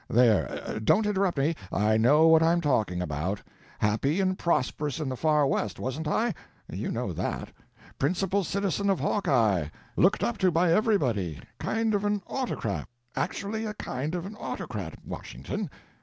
There—don't interrupt me, I know what I'm talking about. Happy and prosperous in the Far West wasn't I? You know that. Principal citizen of Hawkeye, looked up to by everybody, kind of an autocrat, actually a kind of an autocrat, Washington.